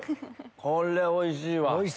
これおいしいわ。